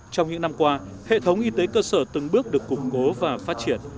trong những năm qua hệ thống y tế cơ sở từng bước được củng cố và phát triển